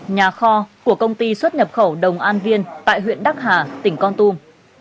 nhà kho của công ty xuất nhập khẩu đồng an viên tại huyện đắc hà tỉnh con tum